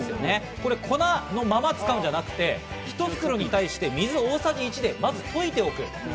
粉のまま使うんじゃなくて一袋に対して水を大さじ１でまずといておく。